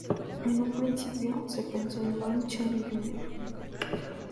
En un principio, se pensó en Lon Chaney Jr.